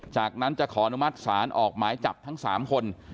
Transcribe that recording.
จากนั้นจะขออนุมัติศาลออกหมายจับทั้ง๓คน